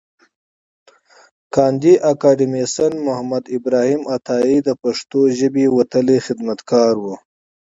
کاندي اکاډميسنمحمد ابراهیم عطایي د پښتو ژبې وتلی خدمتګار و.